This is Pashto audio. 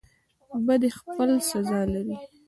بدی خپل سزا لري